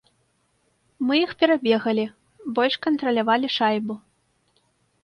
Мы іх перабегалі, больш кантралявалі шайбу.